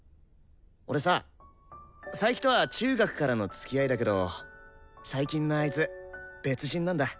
俺さ佐伯とは中学からのつきあいだけど最近のあいつ別人なんだ。